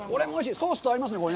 ソースと合いますね。